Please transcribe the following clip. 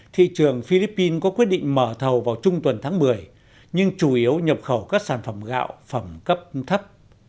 thị trường philippines có quyết định mở thầu vào trung tuần tháng một mươi nhưng chủ yếu nhập khẩu các sản phẩm gạo phẩm cấp thấp